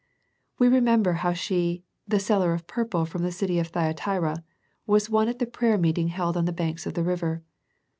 We remember how she, the " seller of purple of the city of Thyatira," was one at the prayer meeting held on the banks of the river.